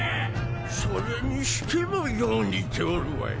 それにしてもよう似ておるわい。